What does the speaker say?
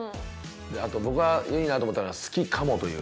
あと僕がいいなと思ったのは「好きかも」という。